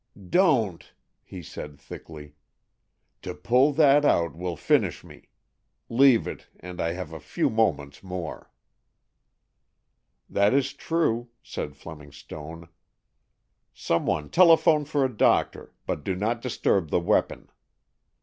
"Don't," he said thickly. "To pull that out will finish me. Leave it, and I have a few moments more!" "That is true," said Fleming Stone. "Some one telephone for a doctor, but do not disturb the weapon.